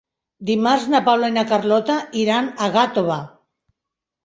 Dimarts na Paula i na Carlota iran a Gàtova.